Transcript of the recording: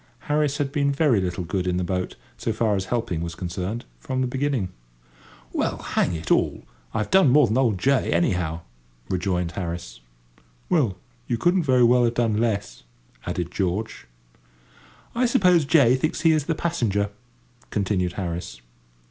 Harris had been very little good in the boat, so far as helping was concerned, from the beginning. "Well, hang it all, I've done more than old J., anyhow," rejoined Harris. "Well, you couldn't very well have done less," added George. "I suppose J. thinks he is the passenger," continued Harris.